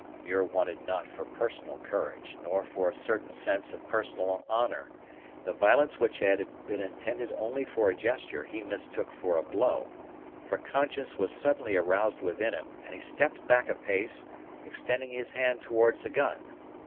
Muir wanted not for personal courage, nor for a certain sense of personal honor. The violence which had been intended only for a gesture he mistook for a blow; for conscience was suddenly aroused within him, and he stepped back a pace, extending his hand towards a gun.